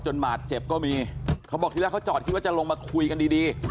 บาดเจ็บก็มีเขาบอกที่แรกเขาจอดคิดว่าจะลงมาคุยกันดีดี